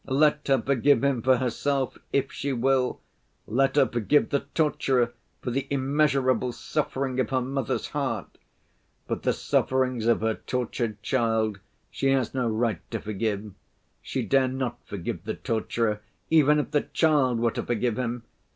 Let her forgive him for herself, if she will, let her forgive the torturer for the immeasurable suffering of her mother's heart. But the sufferings of her tortured child she has no right to forgive; she dare not forgive the torturer, even if the child were to forgive him!